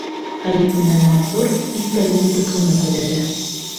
Хәлиф менән Мансур иҫтәре китеп уны күҙәтә.